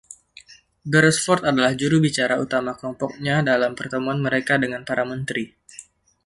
Beresford adalah juru bicara utama kelompoknya dalam pertemuan mereka dengan para Menteri.